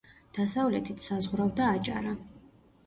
დასავლეთით საზღვრავდა აჭარა.